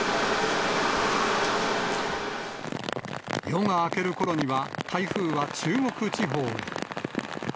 夜が明けるころには、台風は中国地方へ。